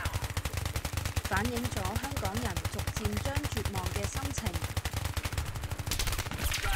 反映咗香港人逐漸將絕望嘅心情